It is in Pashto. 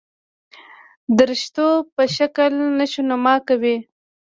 درشتو په شکل نشونما کوي.